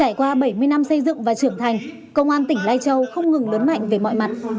trải qua bảy mươi năm xây dựng và trưởng thành công an tỉnh lai châu không ngừng lớn mạnh về mọi mặt